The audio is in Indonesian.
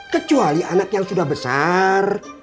kecuali anak yang sudah besar